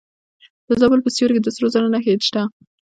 د زابل په سیوري کې د سرو زرو نښې شته.